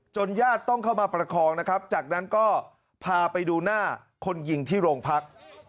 ญาติต้องเข้ามาประคองนะครับจากนั้นก็พาไปดูหน้าคนยิงที่โรงพัก